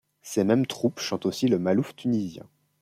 Ces mêmes troupes chantent aussi le malouf tunisien.